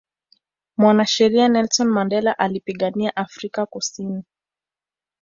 mwanasheria nelson mandela alipigania Afrika kusini